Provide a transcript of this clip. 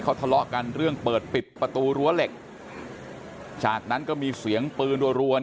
เขาทะเลาะกันเรื่องเปิดปิดประตูรั้วเหล็กจากนั้นก็มีเสียงปืนรัว